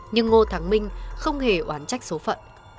nhưng ngô thắng minh không hề oán trách số phận